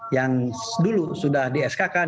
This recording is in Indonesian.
yang dulu sudah di skk kan